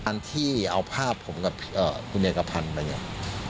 อันที่เอาภาพผมกับคุณเอกพันธ์ไปเนี่ย